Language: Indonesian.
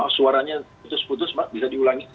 suaranya putus putus pak bisa diulangi